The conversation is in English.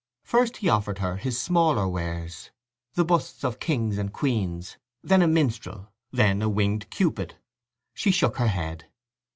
First he offered her his smaller wares—the busts of kings and queens, then a minstrel, then a winged Cupid. She shook her head.